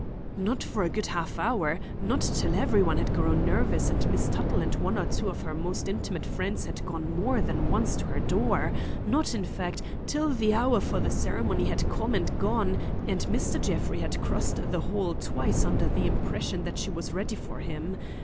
"Not for a good half hour; not till every one had grown nervous and Miss Tuttle and one or two of her most intimate friends had gone more than once to her door; not, in fact, till the hour for the ceremony had come and gone and Mr. Jeffrey had crossed the hall twice under the impression that she was ready for him.